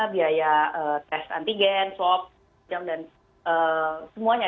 biaya tes antigen swab jam dan semuanya